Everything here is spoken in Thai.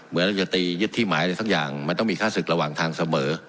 เหมือนเราจะตียึดที่หมายอะไรสักอย่างมันต้องมีค่าศึกระหว่างทางเสมอ